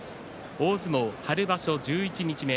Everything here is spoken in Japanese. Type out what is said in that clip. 大相撲春場所十一日目。